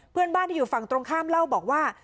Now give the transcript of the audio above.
เพื่อนบ้านที่อยู่ฝั่งตรงข้ามเล่าบอกว่า